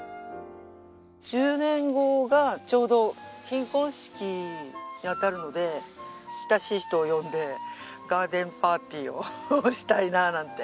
１０年後がちょうど金婚式にあたるので親しい人を呼んでガーデンパーティーをしたいななんて。